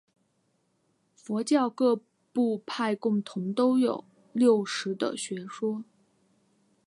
佛教各部派共同都有六识的学说。